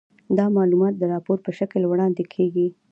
دا معلومات د راپور په شکل وړاندې کیږي.